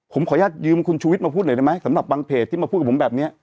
ผมขออนุญาตยืมคุณชูวิทย์มาพูดหน่อยได้ไหมสำหรับบางเพจที่มาพูดกับผมแบบนี้